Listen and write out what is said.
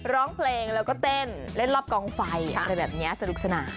ร้องเพลงแล้วก็เต้นเล่นรอบกองไฟอะไรแบบนี้สนุกสนาน